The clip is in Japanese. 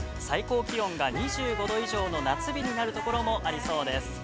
最高気温が２５度以上の夏日になるところも、あるようです。